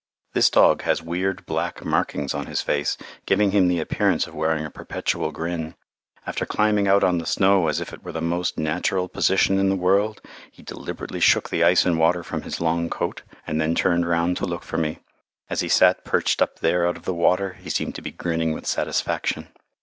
This dog has weird black markings on his face, giving him the appearance of wearing a perpetual grin. After climbing out on the snow as if it were the most natural position in the world he deliberately shook the ice and water from his long coat, and then turned round to look for me. As he sat perched up there out of the water he seemed to be grinning with satisfaction.